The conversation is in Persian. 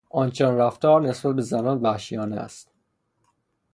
آنچنان رفتار نسبت به زنان وحشیانه است.